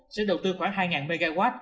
sẽ đầu tư khoảng hai mw